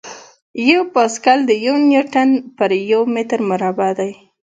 یو پاسکل د یو نیوټن پر یو متر مربع دی.